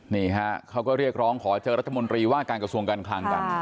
นี่ฮะเขาก็เรียกร้องขอเจอรัฐมนตรีว่าการกระทรวงการคลังกัน